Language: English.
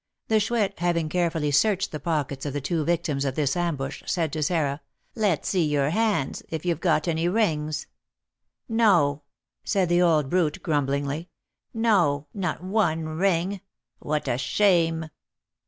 The Chouette, having carefully searched the pockets of the two victims of this ambush, said to Sarah, "Let's see your hands, if you've got any rings. No," said the old brute, grumblingly, "no, not one ring. What a shame!"